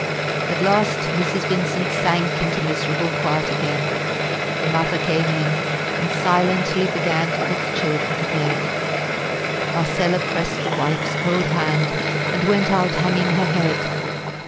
At last Mrs. Vincent sank into miserable quiet again. The mother came in, and silently began to put the children to bed. Marcella pressed the wife's cold hand, and went out hanging her head.